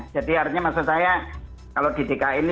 jadi artinya maksud saya kalau di dki ini